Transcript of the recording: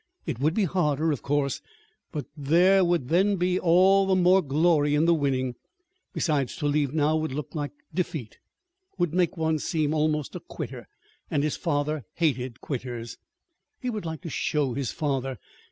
It would be harder, of course; but there would then be all the more glory in the winning. Besides, to leave now would look like defeat would make one seem almost like a quitter. And his father hated quitters! He would like to show his father.